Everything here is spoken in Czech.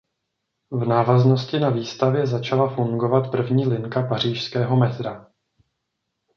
V návaznosti na výstavě začala fungovat první linka pařížského metra.